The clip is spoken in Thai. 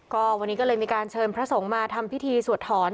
ก็วันนี้ก็เลยมีการเชิญพระสงฆ์มาทำพิธีสวดถอน